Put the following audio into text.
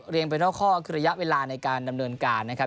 ไปนอกข้อคือระยะเวลาในการดำเนินการนะครับ